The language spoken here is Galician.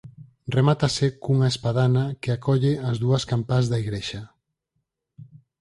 Remátase cunha espadana que acolle as dúas campás da igrexa.